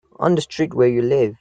On the street where you live.